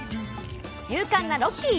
勇敢なロッキー。